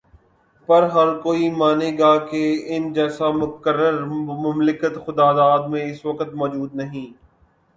پر ہرکوئی مانے گا کہ ان جیسا مقرر مملکت خداداد میں اس وقت موجود نہیں۔